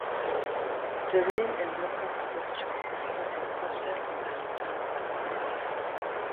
The rain and locust question is part and parcel of the sultan's government.